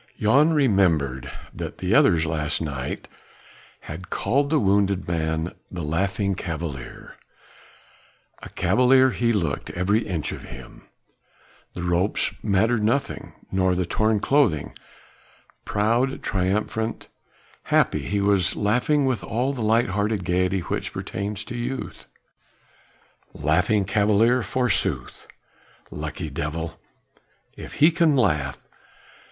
Jan remembered that the others last night had called the wounded man the Laughing Cavalier. A Cavalier he looked, every inch of him; the ropes mattered nothing, nor the torn clothing; proud, triumphant, happy, he was laughing with all the light hearted gaiety which pertains to youth. The Laughing Cavalier forsooth. Lucky devil! if he can laugh!